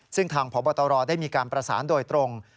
ซึ่งทางพบตรได้มีการประสานโดยตรง